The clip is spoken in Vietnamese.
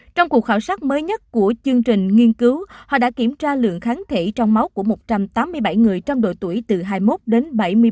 trong cuộc khảo sát mới nhất của chương trình nghiên cứu họ đã kiểm tra lượng kháng thể trong máu của một trăm tám mươi bảy người trong độ tuổi từ hai mươi một đến bảy mươi sáu